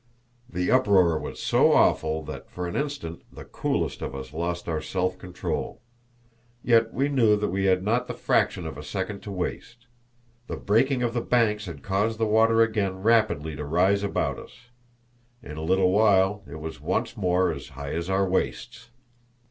The uproar was so awful that for an instant the coolest of us lost our self control. Yet we knew that we had not the fraction of a second to waste. The breaking of the banks had caused the water again rapidly to rise about us. In a little while it was once more as high as our waists.